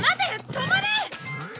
止まれ！